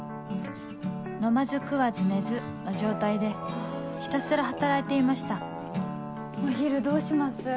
飲まず食わず寝ずの状態でひたすら働いていましたお昼どうします？